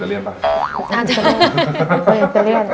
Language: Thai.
อิตาเลียน